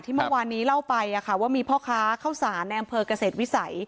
เมื่อวานนี้เล่าไปว่ามีพ่อค้าข้าวสารในอำเภอกเกษตรวิสัย